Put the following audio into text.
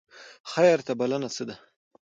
خیر ته بلنه څه ده؟